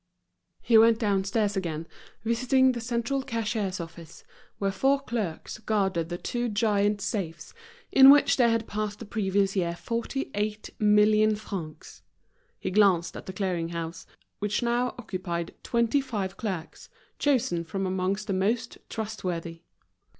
He went downstairs again, visiting the central cashier's office, where four clerks guarded the two giants safes, in which there had passed the previous year forty eight million francs. He glanced at the clearing house, which now occupied twenty five clerks, chosen from amongst the most trustworthy.